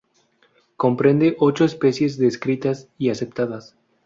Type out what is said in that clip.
Comprende ocho especies descritas y aceptadas.